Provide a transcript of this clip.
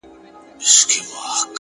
د زاړه دفتر میز د ګڼو ورځو نښې لري,